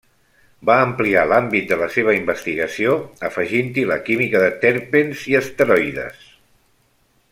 Va ampliar l'àmbit de la seva investigació, afegint-hi la química de terpens i esteroides.